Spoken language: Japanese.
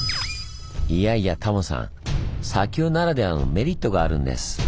いやいやタモさん砂丘ならではのメリットがあるんです。